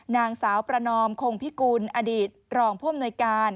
นางสาวประนอมคงพิกุลอดีตรองผู้อำนวยการ